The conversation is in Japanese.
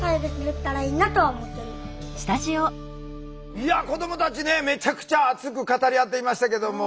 いや子どもたちねめちゃくちゃ熱く語り合っていましたけども。